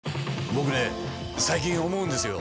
僕ね最近思うんですよ。